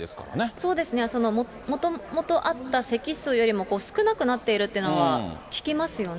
そうですね、もともとあった席数より少なくなっているというのは聞きますよね。